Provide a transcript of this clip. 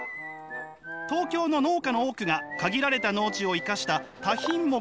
東京の農家の多くが限られた農地を生かした多品目